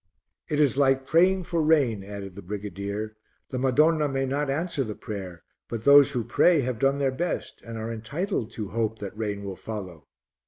"It is like praying for rain," added the brigadier; "the Madonna may not answer the prayer, but those who pray have done their best and are entitled to hope that rain will follow."